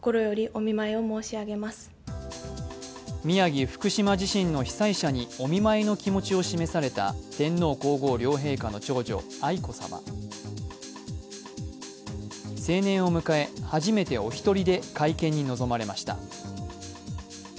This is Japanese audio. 宮城・福島地震の被災者にお見舞いの気持ちを示された天皇・皇后両陛下の長女・愛子さま成年を迎え、初めてお一人で会見に臨まれました。